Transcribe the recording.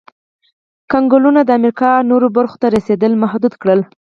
کنګلونو د امریکا نورو برخو ته رسېدل محدود کړل.